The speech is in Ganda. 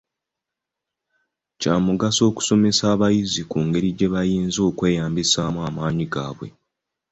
Kyamugaso okusomesa abayizi ku ngeri gye bayinza okweyambisaamu amaanyi gaabwe.